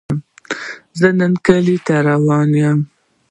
زۀ نن کلي ته روان يم